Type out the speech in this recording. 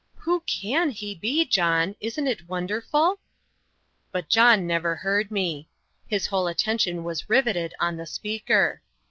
"Who CAN he be, John? Isn't it wonderful?" But John never heard me. His whole attention was riveted on the speaker.